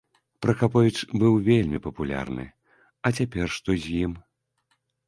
Пракаповіч быў вельмі папулярны, а цяпер што з ім?